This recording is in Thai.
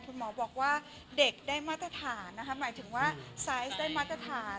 คุณหมอบอกว่าเด็กได้มาตรฐานนะคะหมายถึงว่าไซส์ได้มาตรฐาน